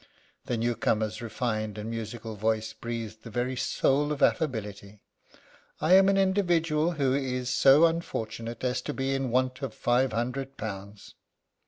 The newcomer's refined and musical voice breathed the very soul of affability. "I am an individual who is so unfortunate as to be in want of five hundred pounds."